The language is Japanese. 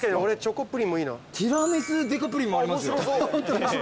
ティラミスでかプリンもありますよ。